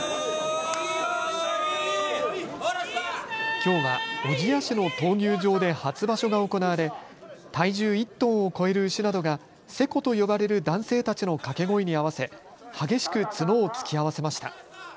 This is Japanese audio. きょうは小千谷市の闘牛場で初場所が行われ、体重１トンを超える牛などがせこと呼ばれる男性たちの掛け声に合わせ激しく角を突き合わせました。